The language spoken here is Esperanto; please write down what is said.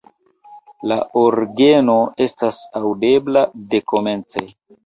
La orgeno estas aŭdebla dekomence.